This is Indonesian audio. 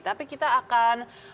tapi kita akan melihatnya